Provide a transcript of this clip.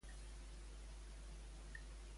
A qui acostuma a acompanyar Pilumne?